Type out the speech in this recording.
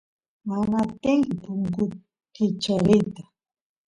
mana atinki punkut kichariyta